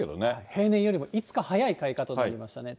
平年よりも５日早い開花となりましたね。